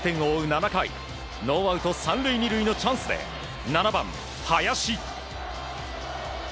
７回ノーアウト３塁２塁のチャンスで７番、林。